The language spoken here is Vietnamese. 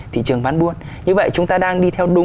thị trường bán buôn như vậy chúng ta đang